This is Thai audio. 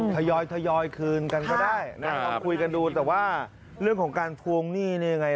ถยอยถยอยคืนกันก็ได้คุยกันดูแต่ว่าเรื่องของการทวงหนี้เนี่ย